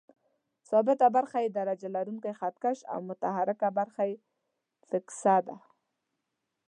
ثابته برخه یې درجه لرونکی خط کش او متحرکه برخه یې فکسه ده.